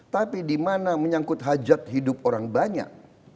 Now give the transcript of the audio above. tapi di mana menyangkut hajat hidup orang banyak